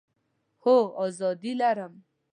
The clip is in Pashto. هو، آزادي لرم